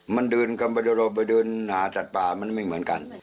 มันเดินคำประโยชน์ไปเดินหาจัดป่ามันไม่เหมือนกัน